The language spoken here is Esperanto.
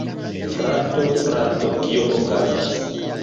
Frato, frato! Kio okazas?